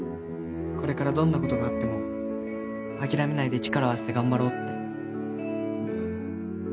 これからどんな事があっても諦めないで力を合わせて頑張ろうって。